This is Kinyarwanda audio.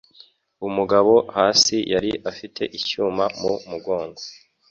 Umugabo hasi yari afite icyuma mu mugongo.